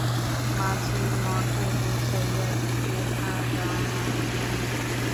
মাঝি মঠে পৌঁছাইয়া দিতে আট আনা চাহিল।